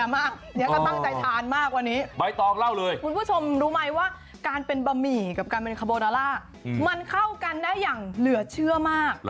มันเข้ากันได้อย่างเหลือเชื่อมาก